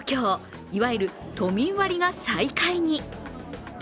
いわゆる都民割が再開に。